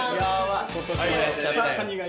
今年もやっちゃったよ。